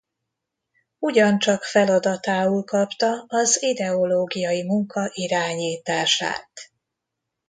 Ugyancsak feladatául kapta az ideológiai munka irányítását.